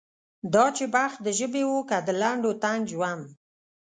دا چې بخت د ژبې و که د لنډ و تنګ ژوند.